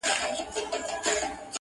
څوك به ژاړي په كېږديو كي نكلونه؛